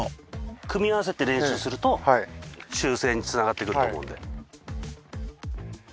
組み合わせて練習すると修正につながってくると思うんで。